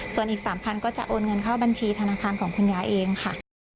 ส่วนอีก๓๐๐ก็จะโอนเงินเข้าบัญชีธนาคารของคุณยายเองค่ะ